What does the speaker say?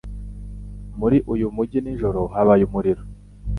Muri uyu mujyi nijoro habaye umuriro.